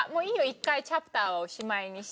一回チャプターをおしまいにして。